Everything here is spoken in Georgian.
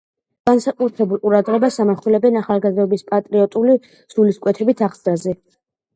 განსაკუთრებულ ყურადღებას ამახვილებენ ახალგაზრდობის პატრიოტული სულისკვეთებით აღზრდაზე.